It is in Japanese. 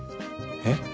えっ？